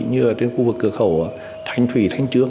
như là khu vực cửa khẩu thành thủy thành trương